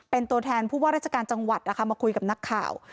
เป็นตัวแทนผู้ว่าราชการจังหวัดนะคะมาคุยกับนักข่าว